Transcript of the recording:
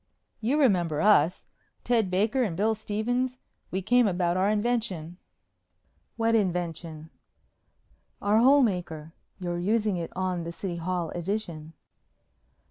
"You remember us. Ted Baker and Bill Stephens. We came about our invention." "What invention?" "Our hole maker. You're using it on the City Hall addition."